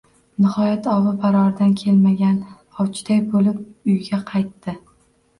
Nihoyat, ovi baroridan kelmagan ovchiday bo‘lib uyga qaytdi